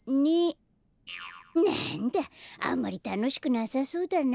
なんだあんまりたのしくなさそうだな。